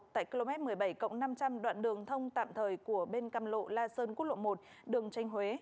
tại km một mươi bảy cộng năm trăm linh đoạn đường thông tạm thời của bên căm lộ la sơn cút lộ một đường tranh huế